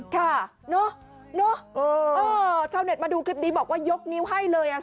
ค่ะเนอะชาวเน็ตมาดูคลิปนี้บอกว่ายกนิ้วให้เลยอ่ะ